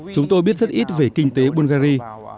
chúng tôi biết rất ít về kinh tế bulgari